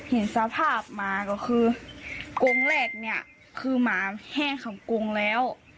เห็นสภาพหมาก็คือกงแรกเนี่ยคือหมาแห้งของกงแล้ว